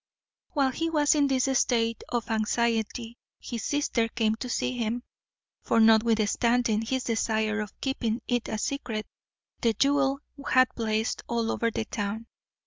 While he was in this state of anxiety his sister came to see him; for, notwithstanding his desire of keeping it a secret, the duel had blazed all over the town.